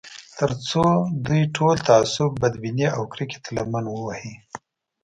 تر څو دوی ټول تعصب، بدبینۍ او کرکې ته لمن ووهي